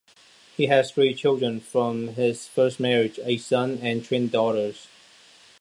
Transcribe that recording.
He has three children from his first marriage-a son and twin daughters.